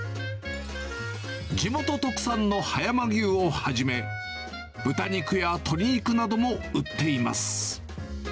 地元特産の葉山牛をはじめ、豚肉や鶏肉なども売っています。